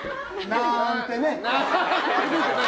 なーんてね！